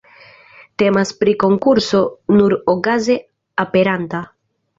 Temas pri konkurso nur okaze aperanta.